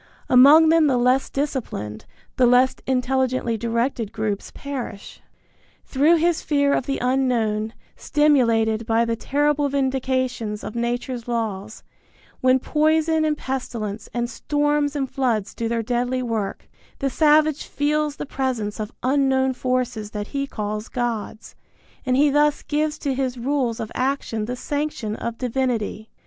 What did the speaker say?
Among them the less disciplined, the less intelligently directed groups perish. Through his fear of the unknown, stimulated by the terrible vindications of nature's laws, when poison and pestilence and storms and floods do their deadly work, the savage feels the presence of unknown forces that he calls gods, and he thus gives to his rules of action the sanction of divinity.